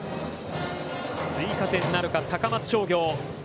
追加点なるか高松商業。